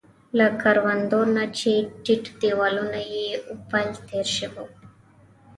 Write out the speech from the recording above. له کروندو نه چې ټیټ دیوالونه يې ول، تېر شوو.